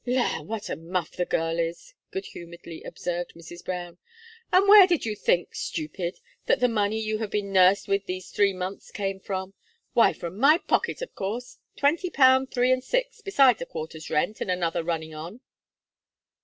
"La! what a muff the girl is!" good humouredly observed Mrs. Brown. "And where did you think, stupid, that the money you have been nursed with these three months came from? Why, from my pocket, of course; twenty pound three and six, besides a quarter's rent, and another running on."